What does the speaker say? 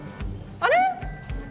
あれ？